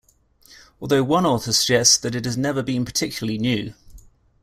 Although one author suggests that it has never been particularly new.